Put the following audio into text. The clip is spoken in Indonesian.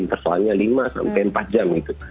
intervalnya lima sampai empat jam gitu